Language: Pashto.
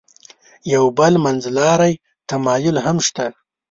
یو بل منځلاری تمایل هم شته.